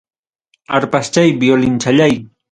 Arpaschay, violinchallay.